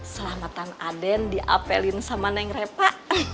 selamatan aden diapelin sama neng repa